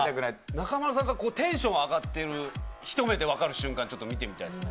中丸さんがテンション上がってるひと目でわかる瞬間ちょっと見てみたいですね。